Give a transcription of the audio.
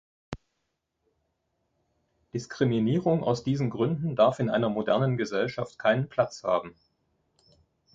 Diskriminierung aus diesen Gründen darf in einer modernen Gesellschaft keinen Platz haben.